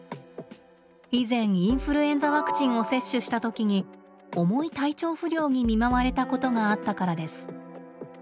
以前インフルエンザワクチンを接種した時に重い体調不良に見舞われたことがあったからです。